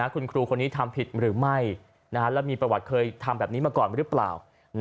คุณครูคนนี้ทำผิดหรือไม่แล้วมีประวัติเคยทำแบบนี้มาก่อนหรือเปล่า